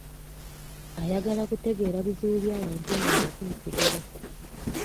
Ayagala kutegeera bizibu by'abantu ng'abatuukirira.